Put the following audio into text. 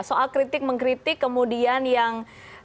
soal kritik mengkritik kemudian yang